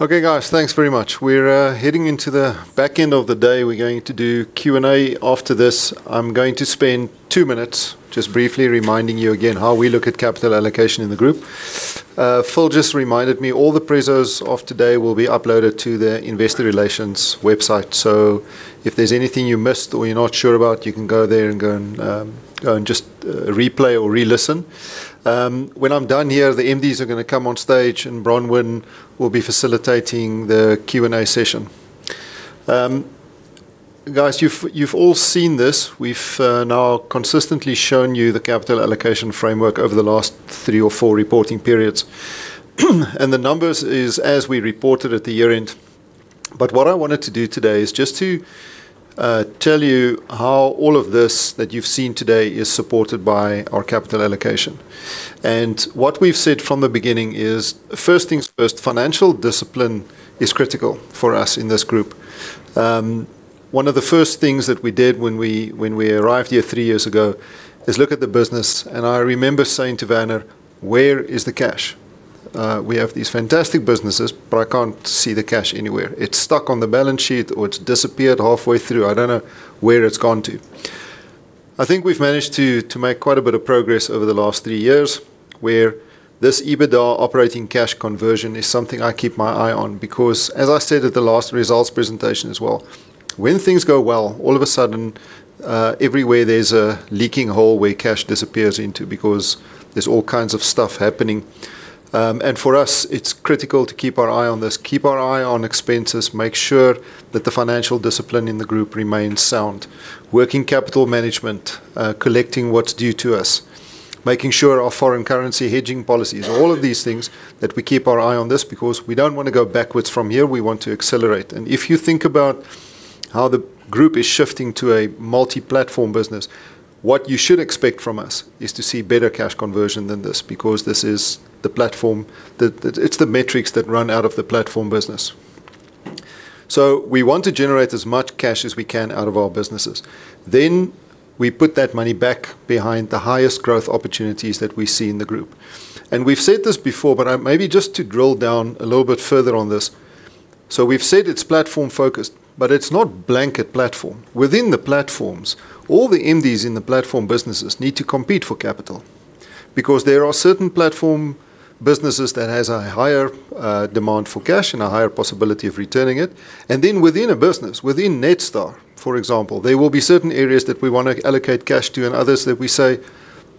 Okay, guys. Thanks very much. We're heading into the back end of the day. We're going to do Q&A after this. I'm going to spend two minutes just briefly reminding you again how we look at capital allocation in the group. Phil just reminded me all the presos of today will be uploaded to the investor relations website. If there's anything you missed or you're not sure about, you can go there and go and just replay or re-listen. When I'm done here, the MDs are going to come on stage, and Bronwyn will be facilitating the Q&A session. Guys, you've all seen this. We've now consistently shown you the capital allocation framework over the last three or four reporting periods. The numbers is as we reported at the year-end. What I wanted to do today is just to tell you how all of this that you've seen today is supported by our capital allocation. What we've said from the beginning is, first things first, financial discipline is critical for us in this group. One of the first things that we did when we arrived here three years ago is look at the business, and I remember saying to Werner, "Where is the cash? We have these fantastic businesses, but I can't see the cash anywhere. It's stuck on the balance sheet, or it's disappeared halfway through. I don't know where it's gone to." I think we've managed to make quite a bit of progress over the last three years, where this EBITDA operating cash conversion is something I keep my eye on. As I said at the last results presentation as well, when things go well, all of a sudden, everywhere there's a leaking hole where cash disappears into because there's all kinds of stuff happening. For us, it's critical to keep our eye on this, keep our eye on expenses, make sure that the financial discipline in the group remains sound. Working capital management, collecting what's due to us, making sure our foreign currency hedging policies, all of these things that we keep our eye on this because we don't want to go backwards from here. We want to accelerate. If you think about how the group is shifting to a multi-platform business, what you should expect from us is to see better cash conversion than this because this is the platform. It's the metrics that run out of the platform business. We want to generate as much cash as we can out of our businesses. We put that money back behind the highest growth opportunities that we see in the group. We've said this before, but maybe just to drill down a little bit further on this. We've said it's platform-focused, but it's not blanket platform. Within the platforms, all the MDs in the platform businesses need to compete for capital because there are certain platform businesses that has a higher demand for cash and a higher possibility of returning it. Within a business, within Netstar, for example, there will be certain areas that we want to allocate cash to and others that we say,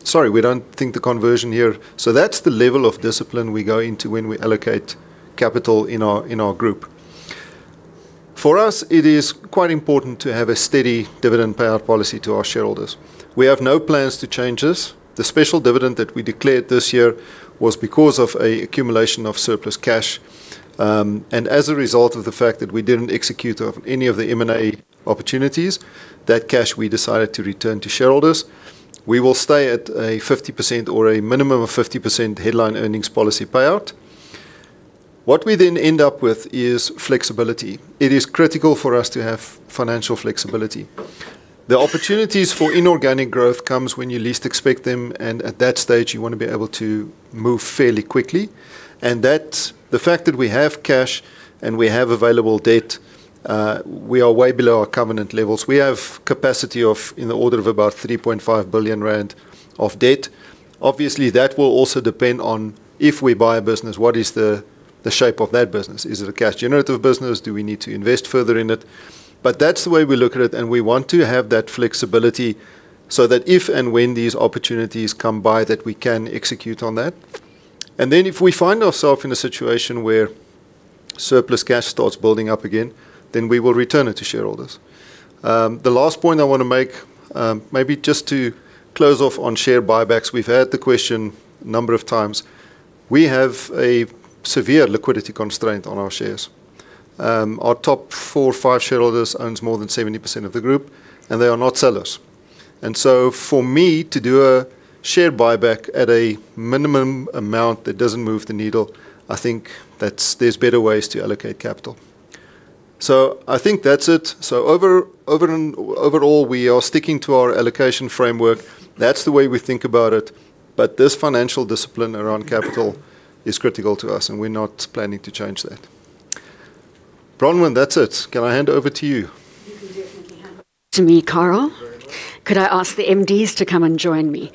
"Sorry, we don't think the conversion here" That's the level of discipline we go into when we allocate capital in our group. For us, it is quite important to have a steady dividend payout policy to our shareholders. We have no plans to change this. The special dividend that we declared this year was because of an accumulation of surplus cash. As a result of the fact that we didn't execute any of the M&A opportunities, that cash we decided to return to shareholders. We will stay at a 50% or a minimum of 50% headline earnings policy payout. What we then end up with is flexibility. It is critical for us to have financial flexibility. The opportunities for inorganic growth comes when you least expect them, and at that stage, you want to be able to move fairly quickly. The fact that we have cash and we have available debt, we are way below our covenant levels. We have capacity of in the order of about 3.5 billion rand of debt. Obviously, that will also depend on if we buy a business, what is the shape of that business? Is it a cash generative business? Do we need to invest further in it? That's the way we look at it, and we want to have that flexibility so that if and when these opportunities come by, that we can execute on that. If we find ourself in a situation where surplus cash starts building up again, then we will return it to shareholders. The last point I want to make, maybe just to close off on share buybacks. We've heard the question a number of times. We have a severe liquidity constraint on our shares. Our top four or five shareholders owns more than 70% of the group, and they are not sellers. For me to do a share buyback at a minimum amount that doesn't move the needle, I think there's better ways to allocate capital. I think that's it. Overall, we are sticking to our allocation framework. That's the way we think about it. This financial discipline around capital is critical to us, and we're not planning to change that. Bronwyn, that's it. Can I hand over to you? You can definitely hand over to me, Carel. Very well. Could I ask the MDs to come and join me?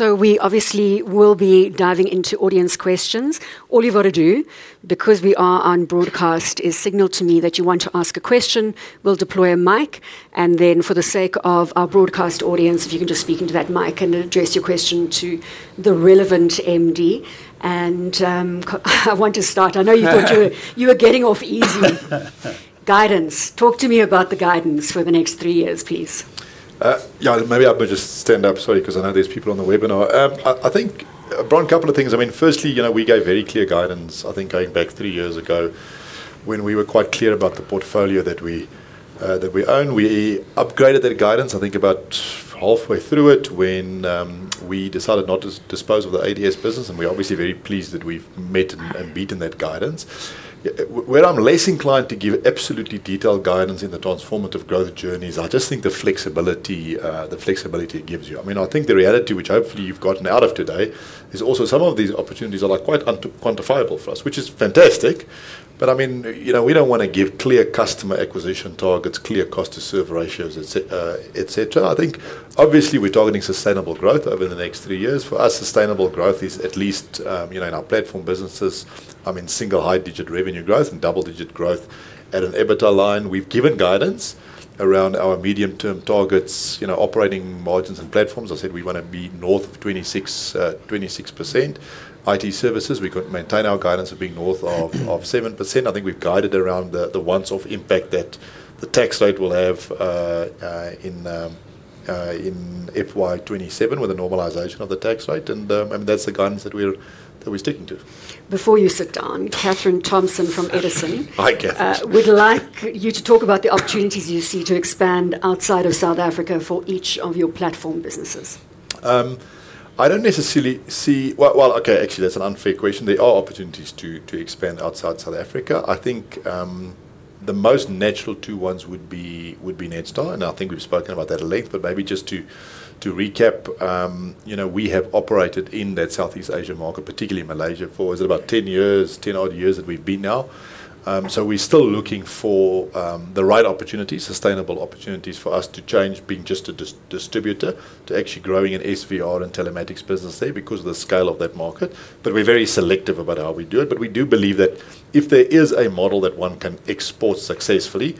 We obviously will be diving into audience questions. All you've got to do, because we are on broadcast, is signal to me that you want to ask a question. We'll deploy a mic, then for the sake of our broadcast audience, if you can just speak into that mic and address your question to the relevant MD. I want to start. I know you thought you were getting off easy. Guidance. Talk to me about the guidance for the next three years, please. Yeah. Maybe I'll just stand up. Sorry, because I know there's people on the webinar. Bron, a couple of things. Firstly, we gave very clear guidance, I think, going back three years ago. When we were quite clear about the portfolio that we own, we upgraded that guidance, I think about halfway through it, when we decided not to dispose of the ADS business. We're obviously very pleased that we've met and beaten that guidance. Where I'm less inclined to give absolutely detailed guidance in the transformative growth journey is I just think the flexibility it gives you. I think the reality, which hopefully you've gotten out of today, is also some of these opportunities are quite quantifiable for us, which is fantastic. We don't want to give clear customer acquisition targets, clear cost to serve ratios, et cetera. I think obviously we're targeting sustainable growth over the next three years. For us, sustainable growth is at least, in our platform businesses, I mean, single high digit revenue growth and double digit growth at an EBITDA line. We've given guidance around our medium term targets, operating margins and platforms. I said we want to be north of 26%. IT services, we maintain our guidance of being north of 7%. I think we've guided around the one-off impact that the tax rate will have in FY 2027 with a normalization of the tax rate. That's the guidance that we're sticking to. Before you sit down, Katherine Thompson from Edison. Hi, Katherine. would like you to talk about the opportunities you see to expand outside of South Africa for each of your platform businesses. I don't necessarily see. Well, okay. Actually, that's an unfair question. There are opportunities to expand outside South Africa. I think the most natural two ones would be Netstar, and I think we've spoken about that at length, but maybe just to recap. We have operated in that Southeast Asia market, particularly Malaysia, for, is it about 10 years? 10-odd years that we've been now. We're still looking for the right opportunities, sustainable opportunities for us to change, being just a distributor to actually growing an SVR and telematics business there because of the scale of that market. We're very selective about how we do it. We do believe that if there is a model that one can export successfully,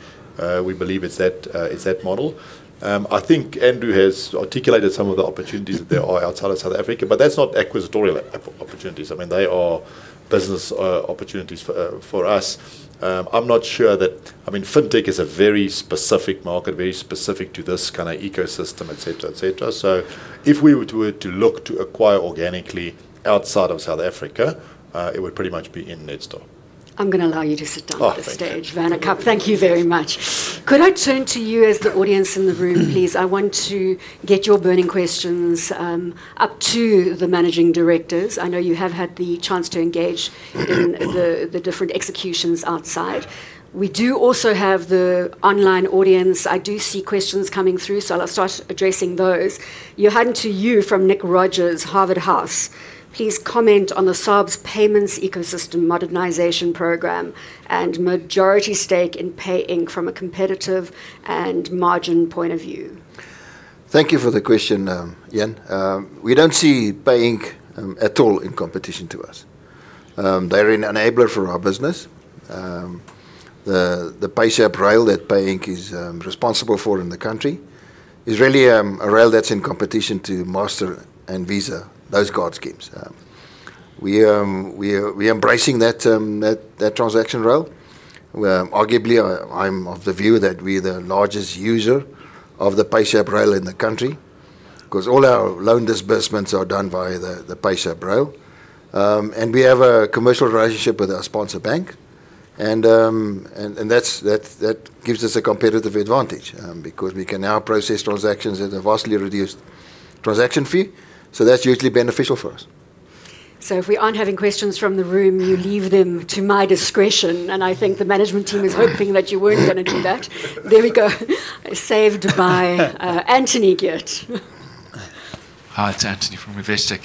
we believe it's that model. Andrew has articulated some of the opportunities that there are outside of South Africa, but that's not acquisitorial opportunities. They are business opportunities for us. I'm not sure that FinTech is a very specific market, very specific to this kind of ecosystem, et cetera. If we were to look to acquire organically outside of South Africa, it would pretty much be in Netstar. I'm going to allow you to sit down off the stage. Thank you. Werner Kapp, thank you very much. Could I turn to you as the audience in the room, please? I want to get your burning questions up to the managing directors. I know you have had the chance to engage in the different executions outside. We do also have the online audience. I do see questions coming through. I'll start addressing those. Johan, to you from Nick Rogers, Harvard House. "Please comment on the sub's payments ecosystem modernization program and majority stake in Pay Inc from a competitive and margin point of view. Thank you for the question, Ian. We don't see Pay Inc at all in competition to us. They're an enabler for our business. The PayShap rail that Pay Inc is responsible for in the country is really a rail that's in competition to Mastercard and Visa, those card schemes. We're embracing that transaction rail, where arguably, I'm of the view that we're the largest user of the PayShap rail in the country because all our loan disbursements are done via the PayShap rail. We have a commercial relationship with our sponsor bank. That gives us a competitive advantage, because we can now process transactions at a vastly reduced transaction fee. That's usually beneficial for us. If we aren't having questions from the room, you leave them to my discretion, and I think the management team is hoping that you weren't going to do that. There we go. Saved by Anthony Geard. Hi, it's Anthony from Investec.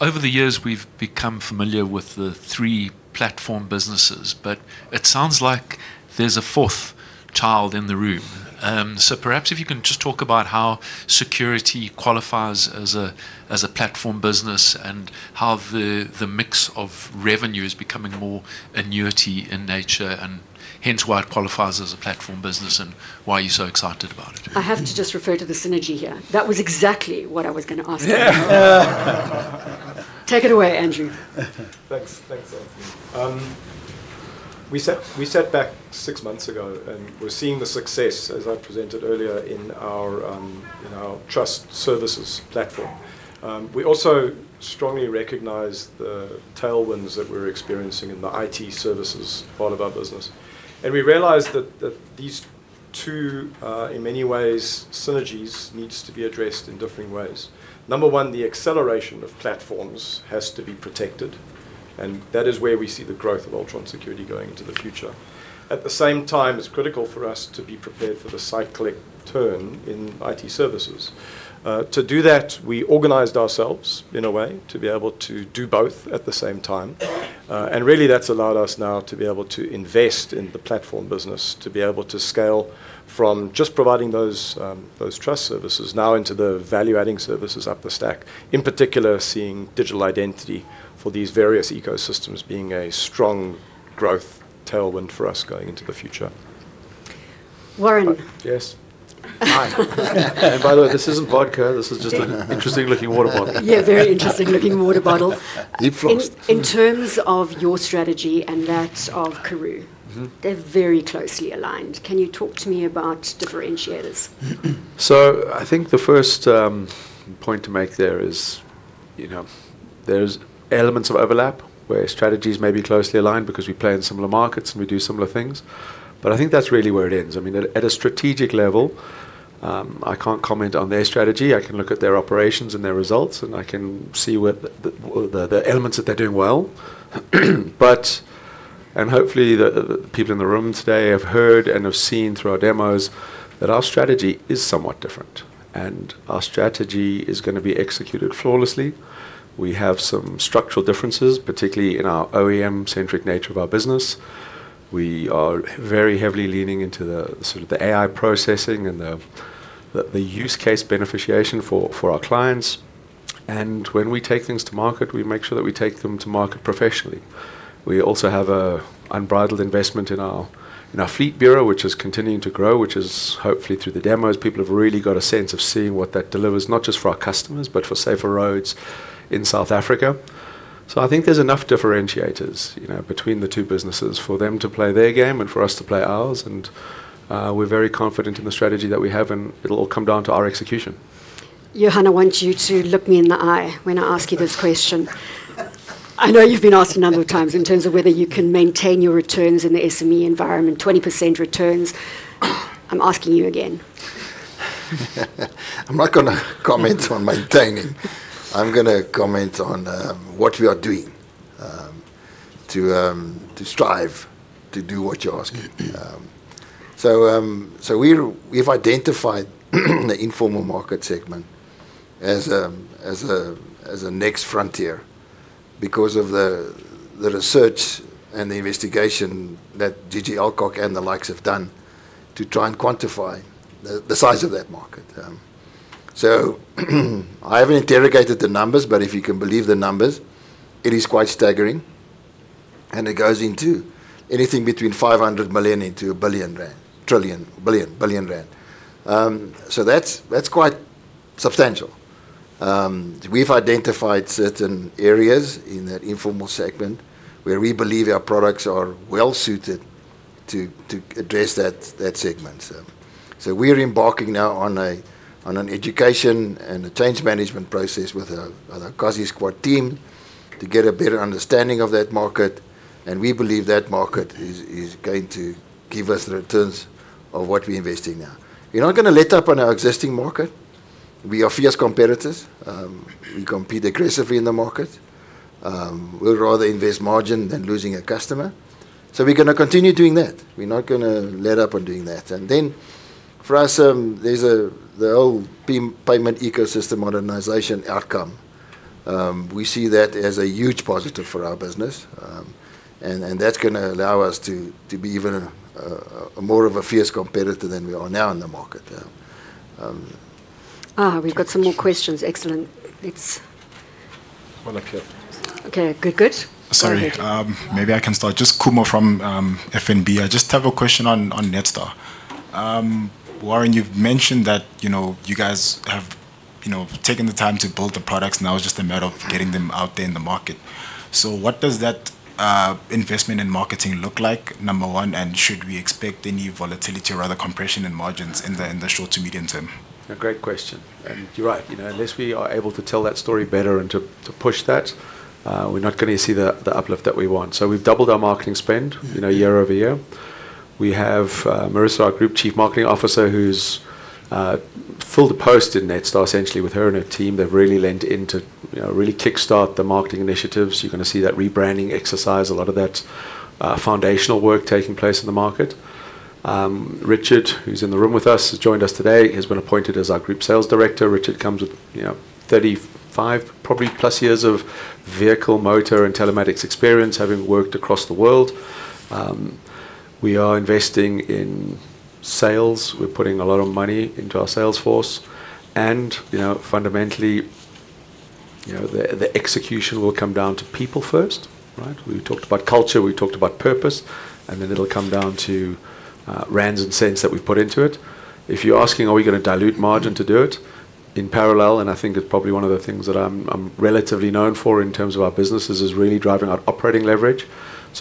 Over the years, we've become familiar with the three platform businesses, but it sounds like there's a fourth child in the room. Perhaps if you can just talk about how Security qualifies as a platform business and how the mix of revenue is becoming more annuity in nature, and hence why it qualifies as a platform business, and why are you so excited about it? I have to just refer to the synergy here. That was exactly what I was going to ask you. Take it away, Andrew. Thanks, Anthony. We sat back six months ago, we're seeing the success, as I presented earlier, in our trust services platform. We also strongly recognize the tailwinds that we're experiencing in the IT services part of our business. We realized that these two, in many ways, synergies needs to be addressed in differing ways. Number one, the acceleration of platforms has to be protected, and that is where we see the growth of Altron Security going into the future. At the same time, it's critical for us to be prepared for the cyclic turn in IT services. To do that, we organized ourselves, in a way, to be able to do both at the same time. Really that's allowed us now to be able to invest in the platform business, to be able to scale from just providing those trust services now into the value adding services up the stack. In particular, seeing digital identity for these various ecosystems being a strong growth tailwind for us going into the future. Warren? Yes. Hi. By the way, this isn't vodka. This is just an interesting looking water bottle. Yeah, very interesting looking water bottle. Deep frost. In terms of your strategy and that of Karooooo. They're very closely aligned. Can you talk to me about differentiators? I think the first point to make there is There's elements of overlap where strategies may be closely aligned because we play in similar markets and we do similar things, but I think that's really where it ends. At a strategic level, I can't comment on their strategy. I can look at their operations and their results, and I can see the elements that they're doing well. Hopefully the people in the room today have heard and have seen through our demos, that our strategy is somewhat different, and our strategy is going to be executed flawlessly. We have some structural differences, particularly in our OEM-centric nature of our business. We are very heavily leaning into the AI processing and the use case beneficiation for our clients. When we take things to market, we make sure that we take them to market professionally. We also have an unbridled investment in our fleet bureau, which is continuing to grow, which is hopefully through the demos, people have really got a sense of seeing what that delivers, not just for our customers, but for safer roads in South Africa. I think there's enough differentiators between the two businesses for them to play their game and for us to play ours. We're very confident in the strategy that we have, and it'll all come down to our execution. Johan, I want you to look me in the eye when I ask you this question. I know you've been asked a number of times in terms of whether you can maintain your returns in the SME environment, 20% returns. I'm asking you again. I'm not going to comment on maintaining. I'm going to comment on what we are doing to strive to do what you're asking. We've identified the informal market segment as a next frontier because of the research and the investigation that GG Alcock and the likes have done to try and quantify the size of that market. I haven't interrogated the numbers, but if you can believe the numbers, it is quite staggering. It goes into anything between 500 million into 1 billion rand. That's quite substantial. We've identified certain areas in that informal segment where we believe our products are well suited to address that segment. We're embarking now on an education and a change management process with a Kasi squad team to get a better understanding of that market. We believe that market is going to give us returns of what we invest in now. We're not going to let up on our existing market. We are fierce competitors. We compete aggressively in the market. We'd rather invest margin than losing a customer. We're going to continue doing that, we're not going to let up on doing that. For us, there's the whole payment ecosystem modernization outcome. We see that as a huge positive for our business, and that's going to allow us to be even more of a fierce competitor than we are now in the market. We've got some more questions. Excellent. Okay. Okay, good. Sorry. Maybe I can start. Just Kumo from FNB. I just have a question on Netstar. Warren, you've mentioned that you guys have taken the time to build the products. Now it's just a matter of getting them out there in the market. What does that investment in marketing look like, number one, and should we expect any volatility or rather compression in margins in the short to medium term? A great question, you're right. Unless we are able to tell that story better and to push that, we're not going to see the uplift that we want. We've doubled our marketing spend year-over-year. We have Marissa, our Group Chief Marketing Officer, who's filled a post in Netstar, essentially with her and her team. They've really leant into really kickstart the marketing initiatives. You're going to see that rebranding exercise, a lot of that foundational work taking place in the market. Richard, who's in the room with us, has joined us today, has been appointed as our Group Sales Director. Richard comes with 35+ years of vehicle, motor, and telematics experience, having worked across the world. We are investing in sales. We're putting a lot of money into our sales force. Fundamentally, the execution will come down to people first, right? We talked about culture, we talked about purpose, then it'll come down to rands and cents that we've put into it. If you're asking, are we going to dilute margin to do it? In parallel, I think it's probably one of the things that I'm relatively known for in terms of our businesses, is really driving our operating leverage.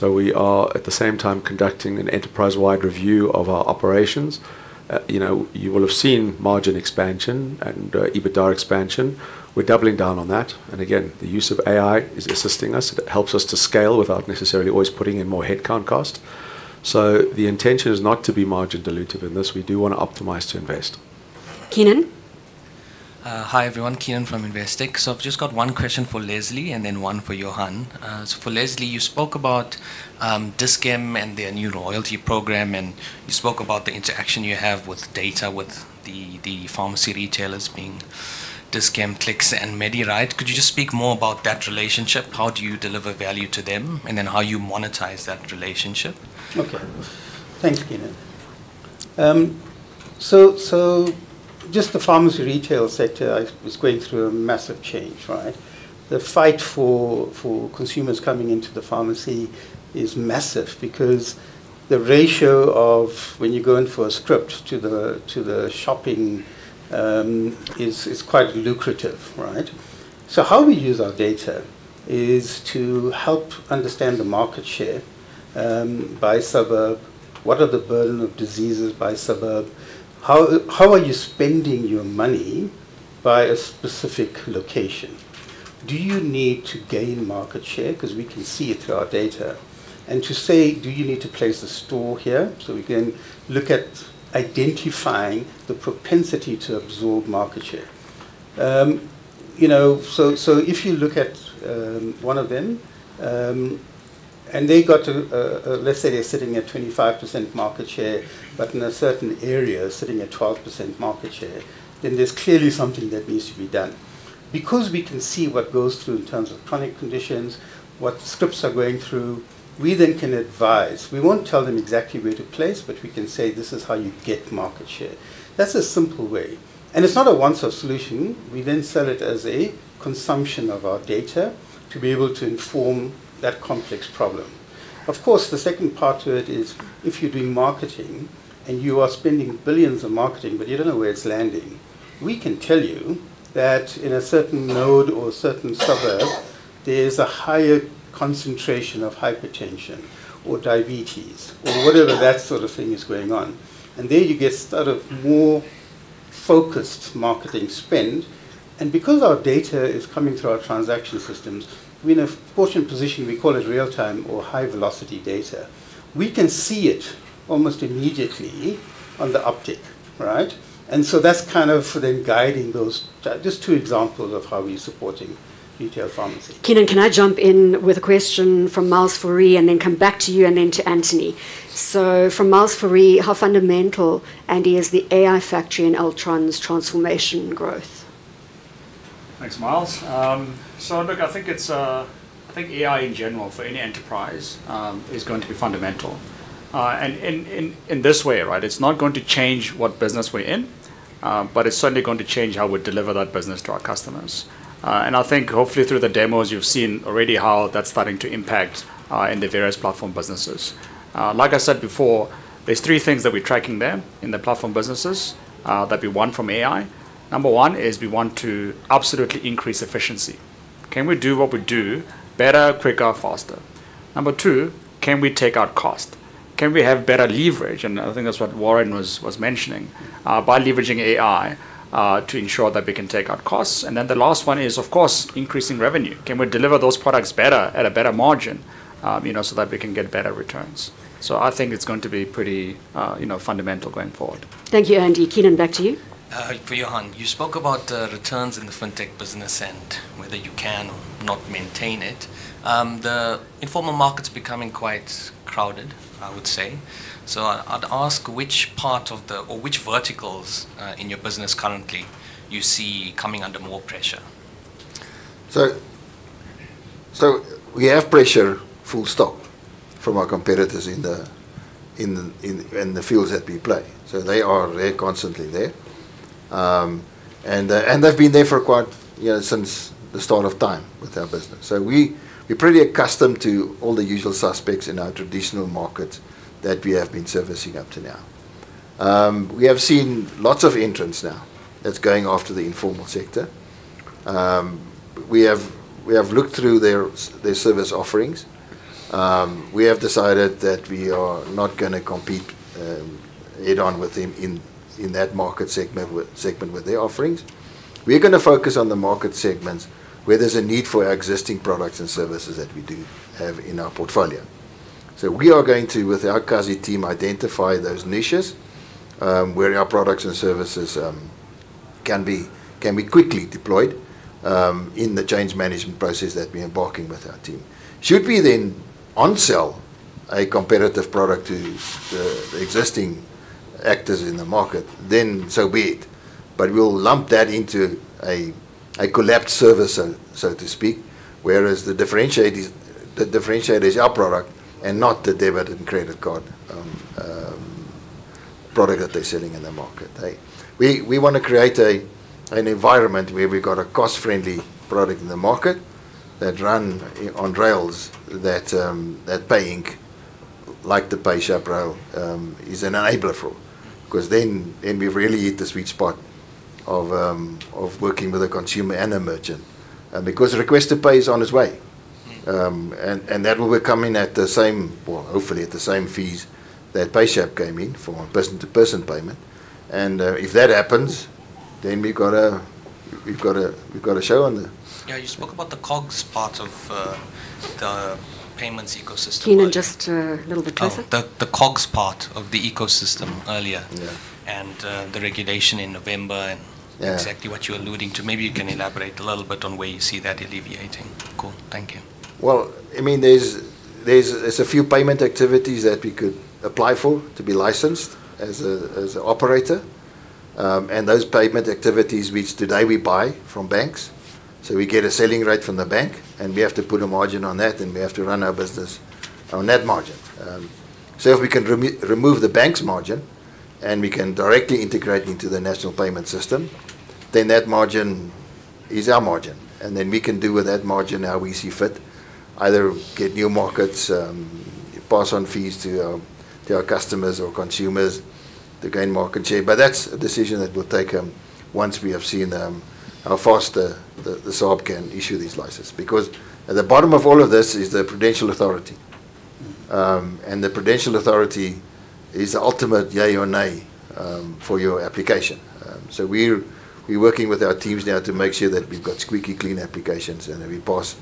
We are, at the same time, conducting an enterprise-wide review of our operations. You will have seen margin expansion and EBITDA expansion. We're doubling down on that. Again, the use of AI is assisting us. It helps us to scale without necessarily always putting in more headcount cost. The intention is not to be margin dilutive in this. We do want to optimize to invest. Keenan. Hi, everyone. Keenan from Investec. I've just got one question for Leslie and then one for Johan. For Leslie, you spoke about Dis-Chem and their new loyalty program, and you spoke about the interaction you have with data, with the pharmacy retailers being Dis-Chem, Clicks, and Medi, right? Could you just speak more about that relationship? How do you deliver value to them, and then how you monetize that relationship? Okay. Thanks, Keenan. Just the pharmacy retail sector is going through a massive change, right? The fight for consumers coming into the pharmacy is massive because the ratio of when you go in for a script to the shopping, is quite lucrative, right? How we use our data is to help understand the market share, by suburb. What are the burden of diseases by suburb? How are you spending your money by a specific location? Do you need to gain market share? Because we can see it through our data. To say, do you need to place a store here? We can look at identifying the propensity to absorb market share. If you look at one of them, let's say they're sitting at 25% market share, but in a certain area, sitting at 12% market share, then there's clearly something that needs to be done. We can see what goes through in terms of chronic conditions, what scripts are going through, we then can advise. We won't tell them exactly where to place, but we can say, "This is how you get market share." That's a simple way. It's not a once-off solution. We then sell it as a consumption of our data to be able to inform that complex problem. Of course, the second part to it is, if you're doing marketing and you are spending billions on marketing, but you don't know where it's landing, we can tell you that in a certain node or a certain suburb, there's a higher concentration of hypertension, or diabetes, or whatever that sort of thing is going on. There you get sort of more focused marketing spend. Because our data is coming through our transaction systems, we're in a fortunate position, we call it real time or high velocity data. We can see it almost immediately on the uptake. Right? That's kind of then guiding those. Just two examples of how we're supporting retail pharmacy. Keenan, can I jump in with a question from Myles Faure and then come back to you and then to Anthony? From Myles Faure, how fundamental, Andy, is the AI Factory in Altron's transformation growth? Thanks, Myles. Look, I think AI in general for any enterprise, is going to be fundamental. In this way, it's not going to change what business we're in, but it's certainly going to change how we deliver that business to our customers. I think hopefully through the demos, you've seen already how that's starting to impact in the various platform businesses. Like I said before, there's three things that we're tracking there in the platform businesses, that we want from AI. Number one is we want to absolutely increase efficiency. Can we do what we do better, quicker, faster? Number two, can we take out cost? Can we have better leverage? I think that's what Warren was mentioning, by leveraging AI, to ensure that we can take out costs. Then the last one is, of course, increasing revenue. Can we deliver those products better, at a better margin, that we can get better returns? I think it's going to be pretty fundamental going forward. Thank you, Andy. Keenan, back to you. For Johan, you spoke about returns in the fintech business and whether you can or not maintain it. The informal market's becoming quite crowded, I would say. I would ask which verticals in your business currently you see coming under more pressure? We have pressure full stop from our competitors in the fields that we play. They're constantly there, and they've been there since the start of time with our business. We're pretty accustomed to all the usual suspects in our traditional markets that we have been servicing up to now. We have seen lots of entrants now that's going after the informal sector. We have looked through their service offerings. We have decided that we are not going to compete head-on with them in that market segment with their offerings. We're going to focus on the market segments where there's a need for our existing products and services that we do have in our portfolio. We are going to, with our Kasi team, identify those niches, where our products and services can be quickly deployed, in the change management process that we're embarking with our team. Should we then on-sell a competitive product to the existing actors in the market, then so be it. We'll lump that into a collapsed service, so to speak, whereas the differentiator is our product and not the debit and credit card product that they're selling in the market. We want to create an environment where we've got a cost-friendly product in the market that run on rails, that PayShap, like the PayShap rail, is an enabler for. Then we've really hit the sweet spot of working with a consumer and a merchant. Request to Pay is on its way. That will be coming at the same, well, hopefully at the same fees that PayShap came in for person-to-person payment. If that happens, then we've got a show on the- Yeah, you spoke about the cogs part of the payments ecosystem earlier. Keenan, just a little bit closer. The cogs part of the ecosystem earlier. Yeah. The regulation in November. Yeah Exactly what you're alluding to. Maybe you can elaborate a little bit on where you see that alleviating. Cool. Thank you. There's a few payment activities that we could apply for to be licensed as a operator. Those payment activities, which today we buy from banks. We get a selling rate from the bank, and we have to put a margin on that, and we have to run our business on that margin. If we can remove the bank's margin, and we can directly integrate into the national payment system, that margin is our margin. We can do with that margin how we see fit, either get new markets, pass on fees to our customers or consumers to gain market share. That's a decision that we'll take. Once we have seen how fast the SARB can issue these licenses. At the bottom of all of this is the Prudential Authority, and the Prudential Authority is the ultimate yay or nay for your application. We're working with our teams now to make sure that we've got squeaky clean applications, and that we pass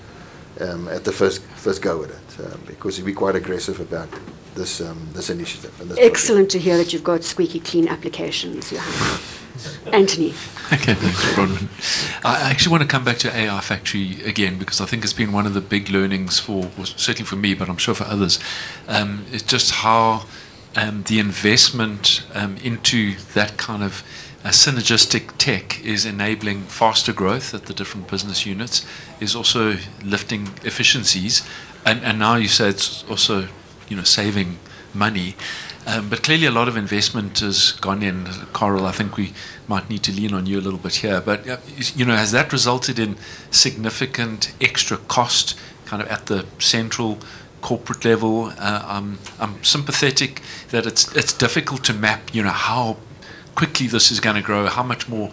at the first go with it. We're quite aggressive about this initiative and this program. Excellent to hear that you've got squeaky clean applications, Johan. Anthony. Okay, thanks, Bronwyn. I actually want to come back to AI Factory again because I think it's been one of the big learnings, certainly for me, but I am sure for others. It's just how the investment into that kind of synergistic tech is enabling faster growth at the different business units, is also lifting efficiencies, and now you said it's also saving money. Clearly a lot of investment has gone in. Carel, I think we might need to lean on you a little bit here. Yeah Has that resulted in significant extra cost at the central corporate level? I'm sympathetic that it's difficult to map how quickly this is going to grow, how much more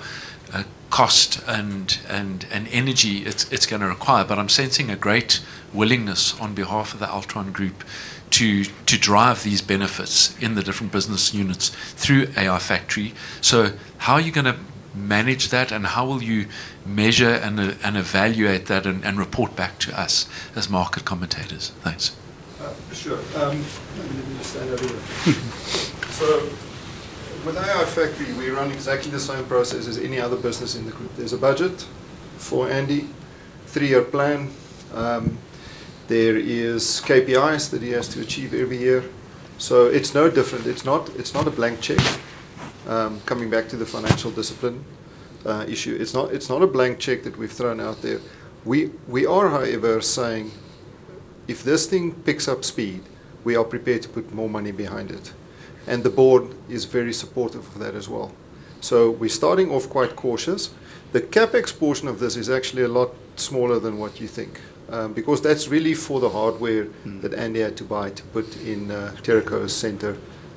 cost, and energy it's going to require. I'm sensing a great willingness on behalf of the Altron Group to drive these benefits in the different business units through AI Factory. How are you going to manage that, and how will you measure, and evaluate that and report back to us as market commentators? Thanks. Sure. Let me stand over here. With AI Factory, we run exactly the same process as any other business in the group. There's a budget for Andy, three-year plan. There is KPIs that he has to achieve every year. It's no different. It's not a blank check. Coming back to the financial discipline issue, it's not a blank check that we've thrown out there. We are, however, saying if this thing picks up speed, we are prepared to put more money behind it, and the board is very supportive of that as well. We're starting off quite cautious. The CapEx portion of this is actually a lot smaller than what you think, because that's really for the hardware that Andy had to buy to put in Teraco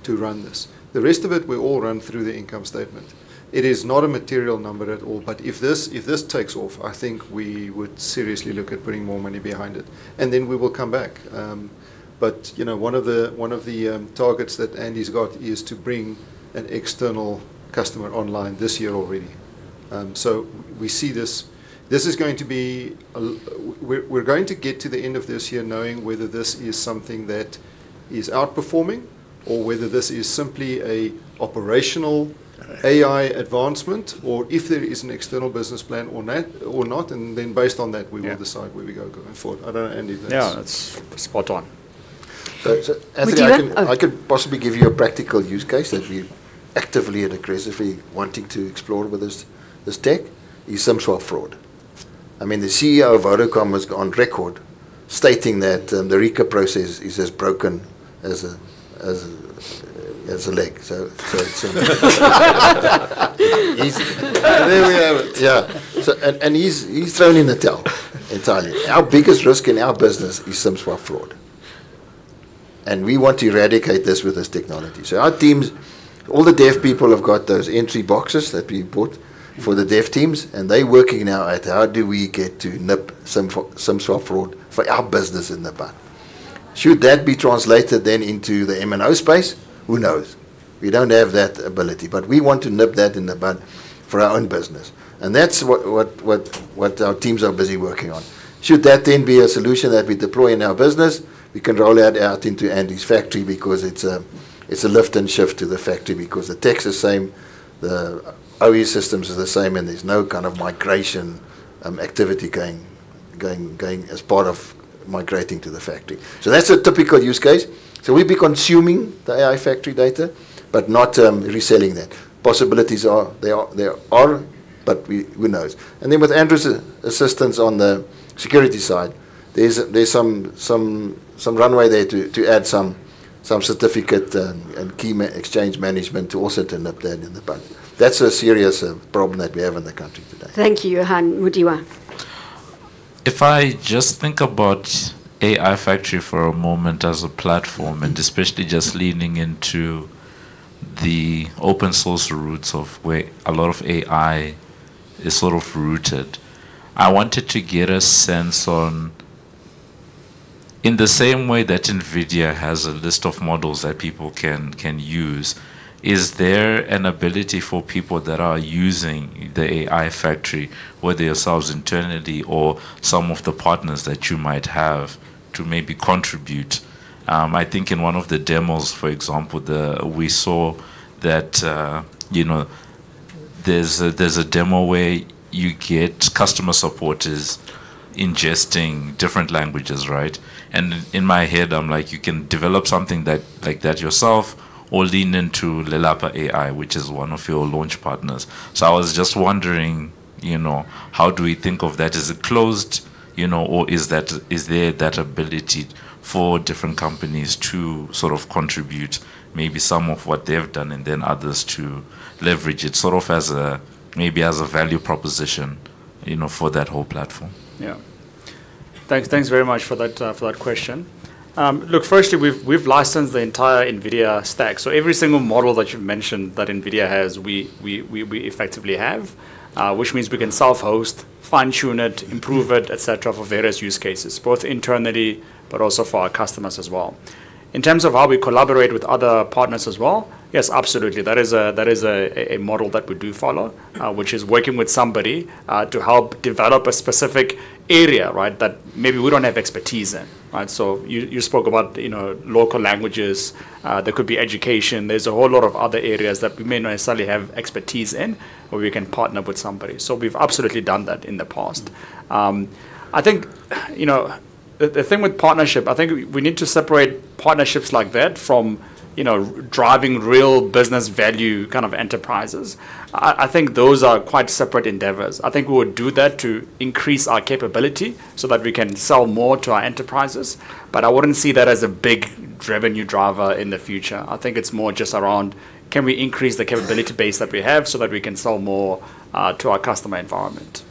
to run this. The rest of it will all run through the income statement. It is not a material number at all, but if this takes off, I think we would seriously look at putting more money behind it, and then we will come back. One of the targets that Andy's got is to bring an external customer online this year already. We see this. We're going to get to the end of this year knowing whether this is something that is outperforming or whether this is simply an operational AI advancement, or if there is an external business plan or not. Based on that, we will decide where we go going forward. I don't know, Andy, if that's. Yeah, that's spot on. With you- Anthony- Oh I could possibly give you a practical use case that we're actively and aggressively wanting to explore with this tech, is SIM swap fraud. The CEO of Vodacom was on record stating that the RICA process is as broken as a leg. it's- There we have it. Yeah. He's thrown in the towel entirely. Our biggest risk in our business is SIM swap fraud, and we want to eradicate this with this technology. Our teams, all the dev people have got those entry boxes that we bought for the dev teams, and they're working now at how do we get to nip SIM swap fraud for our business in the bud. Should that be translated then into the MNO space, who knows? We don't have that ability. We want to nip that in the bud for our own business, and that's what our teams are busy working on. Should that then be a solution that we deploy in our business, we can roll that out into Andy's Factory because it's a lift and shift to the Factory because the tech's the same, the OE systems are the same, and there's no kind of migration activity going as part of migrating to the Factory. That's a typical use case. We'll be consuming the AI Factory data, but not reselling that. Possibilities are there are, but who knows? Then with Andrew's assistance on the security side, there's some runway there to add some certificate and key exchange management to also to nip that in the bud. That's a serious problem that we have in the country today. Thank you, Johan. Mudiwa. If I just think about AI Factory for a moment as a platform, especially just leaning into the open source routes of where a lot of AI is sort of rooted. I wanted to get a sense on, in the same way that NVIDIA has a list of models that people can use, is there an ability for people that are using the AI Factory, whether yourselves internally or some of the partners that you might have, to maybe contribute? I think in one of the demos, for example, we saw that there's a demo where you get customer support is ingesting different languages, right? In my head, I'm like, you can develop something like that yourself or lean into Lelapa AI, which is one of your launch partners. I was just wondering, how do we think of that? Is it closed, or is there that ability for different companies to sort of contribute maybe some of what they've done and then others to leverage it, sort of as a value proposition for that whole platform? Yeah. Thanks very much for that question. Look, firstly, we've licensed the entire NVIDIA stack. Every single model that you've mentioned that NVIDIA has, we effectively have, which means we can self-host, fine-tune it, improve it, et cetera, for various use cases, both internally but also for our customers as well. In terms of how we collaborate with other partners as well, yes, absolutely. That is a model that we do follow, which is working with somebody to help develop a specific area that maybe we don't have expertise in. You spoke about local languages. There could be education. There's a whole lot of other areas that we may not necessarily have expertise in where we can partner with somebody. We've absolutely done that in the past. I think the thing with partnership, I think we need to separate partnerships like that from driving real business value kind of enterprises. I think those are quite separate endeavors. I think we would do that to increase our capability so that we can sell more to our enterprises. I wouldn't see that as a big revenue driver in the future. I think it's more just around, can we increase the capability base that we have so that we can sell more to our customer environment?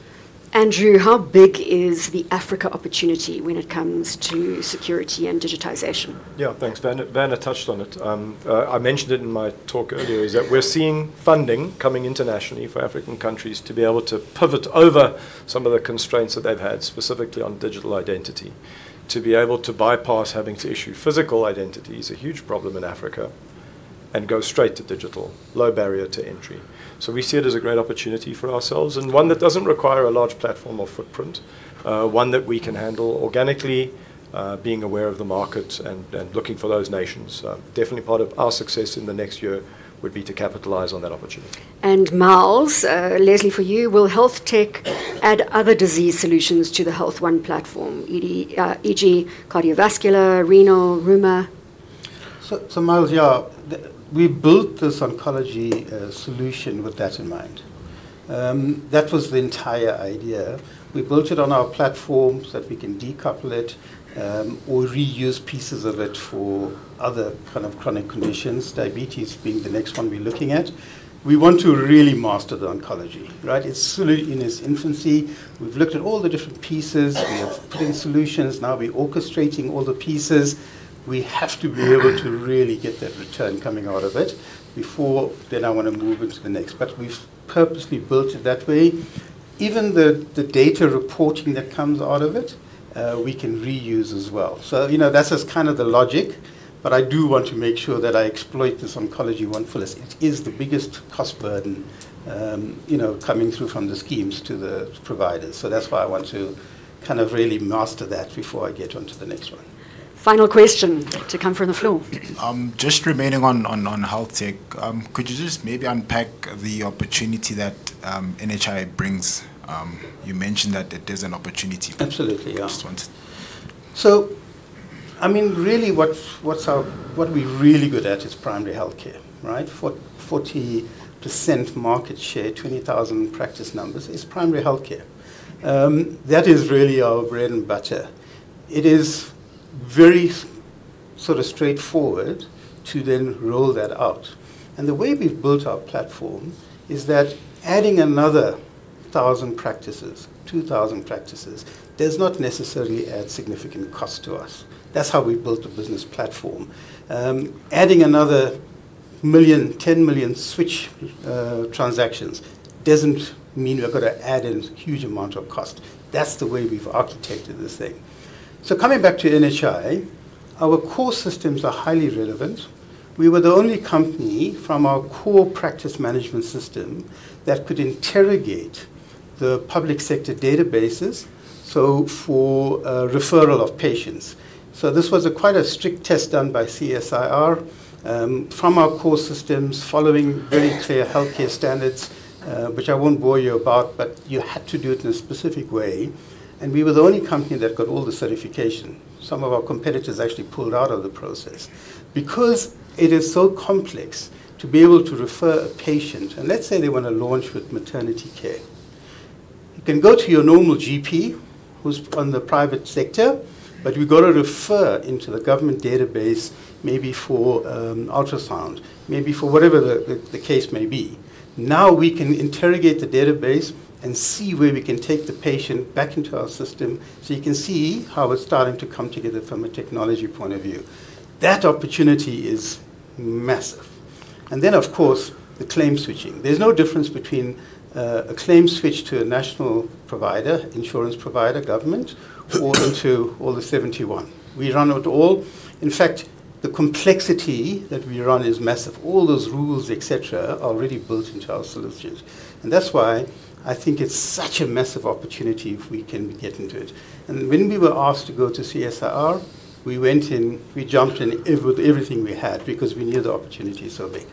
Andrew, how big is the Africa opportunity when it comes to security and digitization? Yeah, thanks. [Bennet] touched on it. I mentioned it in my talk earlier, is that we're seeing funding coming internationally for African countries to be able to pivot over some of the constraints that they've had, specifically on digital identity. To be able to bypass having to issue physical identity is a huge problem in Africa, and go straight to digital, low barrier to entry. We see it as a great opportunity for ourselves, and one that doesn't require a large platform or footprint, one that we can handle organically, being aware of the market and looking for those nations. Definitely part of our success in the next year would be to capitalize on that opportunity. Myles, Leslie, for you, will HealthTech add other disease solutions to the HealthONE platform, e.g. cardiovascular, renal, rheuma? Myles, yeah, we built this oncology solution with that in mind. That was the entire idea. We built it on our platform so that we can decouple it, or reuse pieces of it for other kind of chronic conditions, diabetes being the next one we're looking at. We want to really master the oncology, right? It's still in its infancy. We've looked at all the different pieces. We have put in solutions. Now we're orchestrating all the pieces. We have to be able to really get that return coming out of it before then I want to move into the next. We've purposely built it that way. Even the data reporting that comes out of it, we can reuse as well. That is kind of the logic, but I do want to make sure that I exploit this Oncology ONE for less. It is the biggest cost burden coming through from the schemes to the providers. That's why I want to kind of really master that before I get onto the next one. Final question to come from the floor. Just remaining on health tech, could you just maybe unpack the opportunity that NHI brings? You mentioned that it is an opportunity. Absolutely, yeah. Just want Really what we're really good at is primary healthcare, right? 40% market share, 20,000 practice numbers is primary healthcare. That is really our bread and butter. It is very sort of straightforward to then roll that out. The way we've built our platform is that adding another 1,000 practices, 2,000 practices, does not necessarily add significant cost to us. That's how we've built a business platform. Adding another 1 million, 10 million switch transactions doesn't mean we've got to add in huge amount of cost. That's the way we've architected this thing. Coming back to NHI, our core systems are highly relevant. We were the only company from our core practice management system that could interrogate the public sector databases, so for referral of patients. This was a quite a strict test done by CSIR, from our core systems, following very clear healthcare standards, which I won't bore you about, but you had to do it in a specific way, and we were the only company that got all the certification. Some of our competitors actually pulled out of the process. It is so complex to be able to refer a patient, and let's say they want to launch with maternity care. You can go to your normal GP who's on the private sector, but you've got to refer into the government database, maybe for ultrasound, maybe for whatever the case may be. Now we can interrogate the database and see where we can take the patient back into our system, you can see how it's starting to come together from a technology point of view. That opportunity is massive. Then of course, the claim switching. There's no difference between a claim switch to a national provider, insurance provider, government, or to all the 71. We run it all. In fact, the complexity that we run is massive. All those rules, et cetera, are already built into our solutions. That's why I think it's such a massive opportunity if we can get into it. When we were asked to go to CSIR, we went in, we jumped in with everything we had because we knew the opportunity is so big.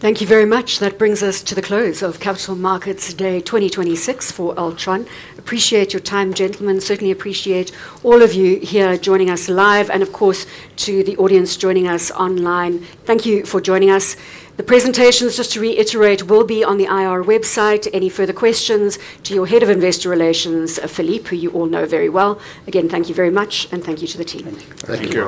Thank you very much. That brings us to the close of Capital Markets Day 2026 for Altron. Appreciate your time, gentlemen. Certainly appreciate all of you here joining us live and, of course, to the audience joining us online. Thank you for joining us. The presentations, just to reiterate, will be on the IR website. Any further questions to your Head of Investor Relations, Philippe, who you all know very well. Again, thank you very much, and thank you to the team. Thank you.